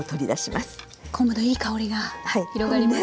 昆布のいい香りが広がりますね。